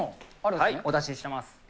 はい、お出ししてます。